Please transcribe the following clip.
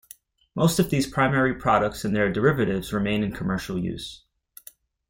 Most of these primary products and their derivatives remain in commercial use.